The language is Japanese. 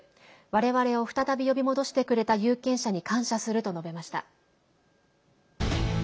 我々を再び呼び戻してくれた有権者に感謝すると述べました。